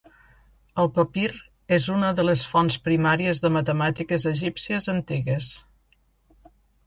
El papir és una de les fonts primàries de matemàtiques egípcies antigues.